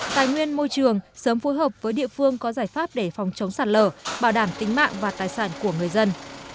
tài nguyên môi trường sớm phối hợp với địa phương có giải pháp để phòng chống sạt lở bảo đảm tính mạng và tài sản của người dân